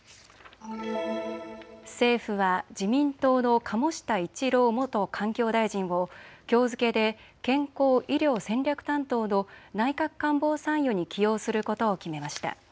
政府は自民党の鴨下一郎元環境大臣をきょう付けで健康・医療戦略担当の内閣官房参与に起用することを決めました。